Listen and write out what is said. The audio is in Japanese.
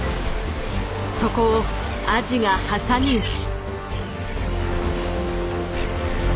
そこをアジが挟み撃ち。